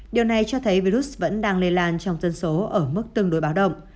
điều này cho thấy virus vẫn đang lây lan trong dân số ở mức tương đối báo động